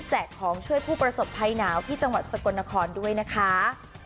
ของช่วยผู้ประสบภัยหนาวที่จังหวัดสกลนครด้วยนะคะ